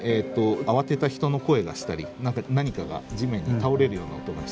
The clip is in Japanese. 慌てた人の声がしたり何かが地面に倒れるような音がしたと。